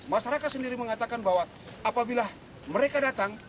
masyarakat sendiri mengatakan bahwa apabila mereka datang